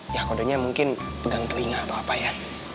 ya kodenya mungkin pegang telinga atau apa ya